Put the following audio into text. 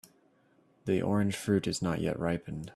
The orange fruit is not yet ripened.